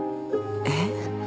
えっ？